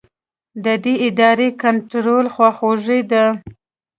د دې ارادې کنټرول خواخوږي ده.